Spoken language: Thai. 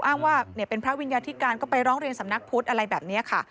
อ้างว่าเป็นพระวิญญาธิการก็ไปร้องเรียนสำนักพุทธอะไรแบบนี้ค่ะ